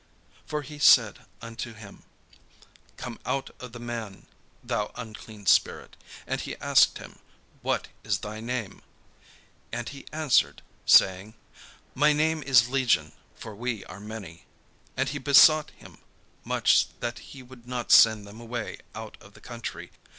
For he said unto him: "Come out of the man, thou unclean spirit," And he asked him: "What is thy name?" And he answered, saying: "My name is Legion: for we are many." And he besought him much that he would not send them away out of the country.